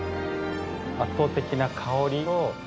圧倒的な香り甘さ。